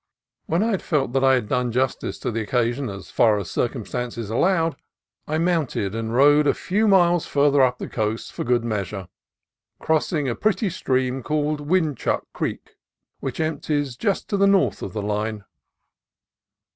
When I felt that I had done justice to the occa sion as far as circumstances allowed, I mounted and rode a few miles farther up the coast for good meas ure, crossing a pretty stream called Windchuck Creek, which empties just to the north of the line.